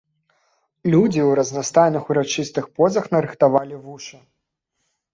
Людзі ў разнастайных урачыстых позах нарыхтавалі вушы.